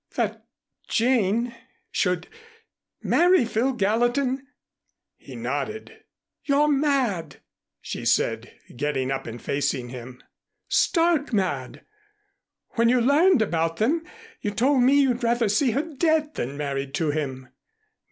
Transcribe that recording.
"That Jane should marry Phil Gallatin?" He nodded. "You're mad!" she said, getting up and facing him. "Stark mad! When you learned about them, you told me you'd rather see her dead than married to him."